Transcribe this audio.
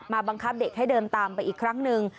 บังคับเด็กให้เดินตามไปอีกครั้งหนึ่ง